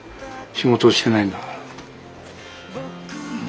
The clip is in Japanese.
仕事してないんだから。